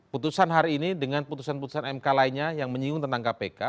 putusan hari ini dengan putusan putusan mk lainnya yang menyinggung tentang kpk